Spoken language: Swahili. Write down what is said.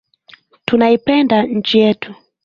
Tunaipenda nchi yetu.